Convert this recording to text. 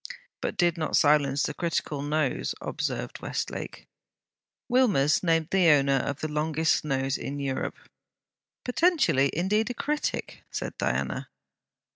'But did not silence the critical nose,' observed Westlake. Wilmers named the owner of the longest nose in Europe. 'Potentially, indeed a critic!' said Diana.